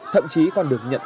thậm chí còn được nhận